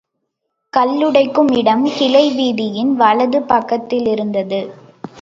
கல்லுடைக்கும் இடம் கிளை வீதியின் வலது பக்கத்திலிருந்தது.